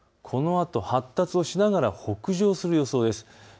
このあと発達しながら北上する予想です。